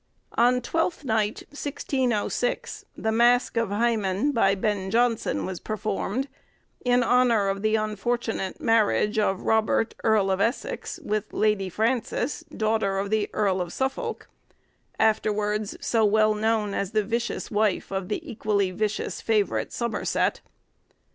On Twelfth Night, 1606, the mask of 'Hymen,' by Ben Jonson, was performed, in honour of the unfortunate marriage of Robert, Earl of Essex, with Lady Frances, daughter of the Earl of Suffolk, afterwards so well known as the vicious wife of the equally vicious favourite, Somerset.